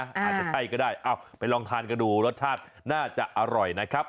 อาจจะใช่ก็ได้ไปลองทานกันดูรสชาติน่าจะอร่อยนะครับ